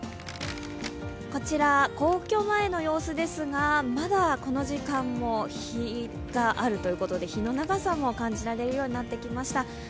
こちら、皇居前の様子ですがまだこの時間も日があるということで日の長さも感じられるようになってきました。